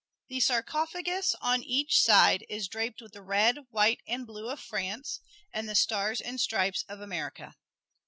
The sarcophagus on each side is draped with the red, white and blue of France and the stars and stripes of America.